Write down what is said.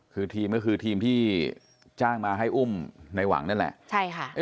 คือทีมก็คือทีมที่จ้างมาให้อุ้มในหวังนั่นแหละใช่ค่ะ